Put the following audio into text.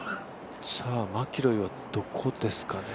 マキロイはどこですかね